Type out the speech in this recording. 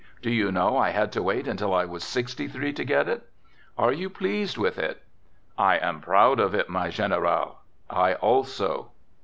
Do you know I had to wait until I was sixty three to get it ? Are you pleased with it?" — "I am very proud of it, my general." —" I also."